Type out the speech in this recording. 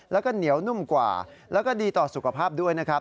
แล้วก็เหนียวนุ่มกว่าแล้วก็ดีต่อสุขภาพด้วยนะครับ